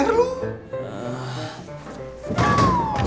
pelan pelan dong mas